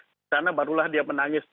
karena barulah dia menangis